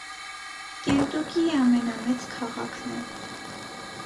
Կենտուկիի ամենամեծ քաղաքն է։